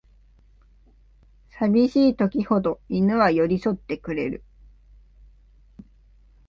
さびしい時ほど犬は寄りそってくれる